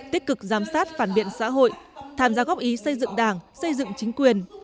tích cực giám sát phản biện xã hội tham gia góp ý xây dựng đảng xây dựng chính quyền